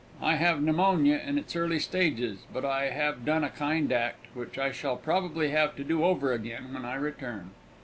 I have pneuemonia in its early stages, but I have done a kind act, which I shall probably have to do over again when I return.